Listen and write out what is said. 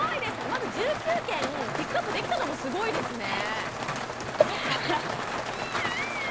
まず１９件ピックアップできたのもすごいですね。